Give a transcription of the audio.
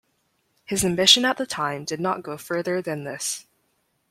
His ambition at the time did not go further than this.